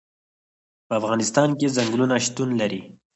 په افغانستان کې ځنګلونه شتون لري.